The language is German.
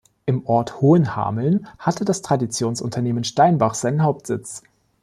Im Ort Hohenhameln hatte das Traditionsunternehmen "Steinbach" seinen Hauptsitz.